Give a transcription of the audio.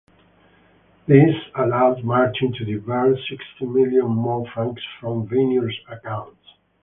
This allowed Martin to divert sixty million more francs from Barnier's accounts.